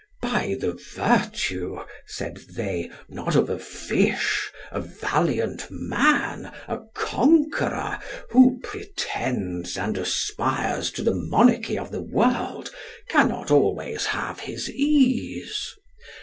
By the virtue, said they, not of a fish, a valiant man, a conqueror, who pretends and aspires to the monarchy of the world, cannot always have his ease.